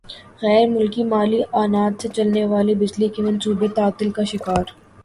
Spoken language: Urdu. غیر ملکی مالی اعانت سے چلنے والے بجلی کے منصوبے تعطل کا شکار